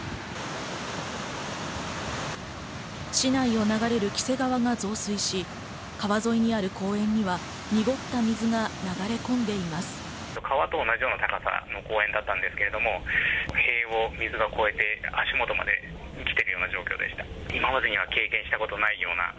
市内を流れる黄瀬川が増水し、川沿いにある公園には濁った水が流れ込んでいます。